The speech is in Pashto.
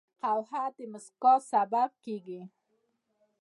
قهوه د مسکا سبب کېږي